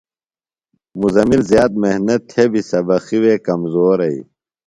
مزمل زیات محنت تھےۡ بیۡ سبقیۡ وے کمزورئی۔